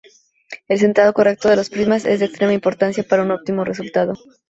El centrado correcto de los prismas es de extrema importancia para un óptimo resultado.